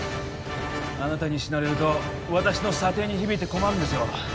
あなたに死なれると私の査定に響いて困るんですよ